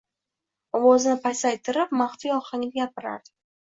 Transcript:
ovozini pasaytirib maxfiy ohangda gapirardi.